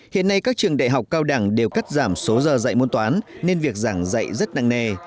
hiện nay các trường đại học cao đẳng đều cắt giảm số giờ dạy môn toán nên việc giảng dạy rất năng nề